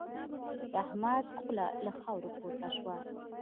د احمد خوله له خاورو پورته شوه.